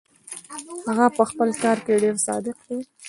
هغه پهخپل کار کې ډېر صادق دی.